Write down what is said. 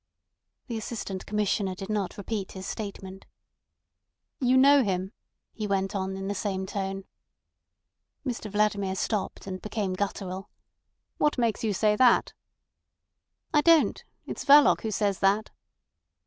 The Assistant Commissioner did not repeat his statement. "You know him," he went on in the same tone. Mr Vladimir stopped, and became guttural. "What makes you say that?" "I don't. It's Verloc who says that."